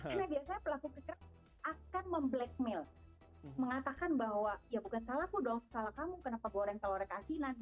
karena biasanya pelaku kekerasan akan mem blackmail mengatakan bahwa ya bukan salahmu dong salah kamu kenapa goreng telur reka asinan gitu